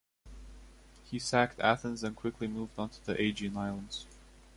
He sacked Athens and quickly moved on to the Aegean Islands.